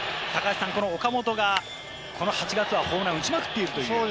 この岡本が８月はホームランを打ちまくっているという。